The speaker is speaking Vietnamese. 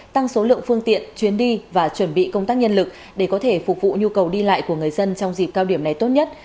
tăng số lượng phương tiện chuyến đi và chuẩn bị công tác nhân lực để có thể phục vụ nhu cầu đi lại của người dân trong dịp cao điểm này tốt nhất